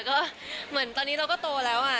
ก็เหมือนตอนนี้เราก็โตแล้ว